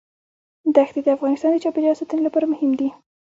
دښتې د افغانستان د چاپیریال ساتنې لپاره مهم دي.